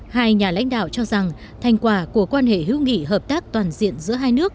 hai nhà lãnh đạo cho rằng thành quả của quan hệ hữu nghị hợp tác toàn diện giữa hai nước